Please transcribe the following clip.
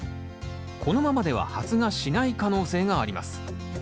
このままでは発芽しない可能性があります。